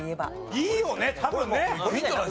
いいよね多分ね！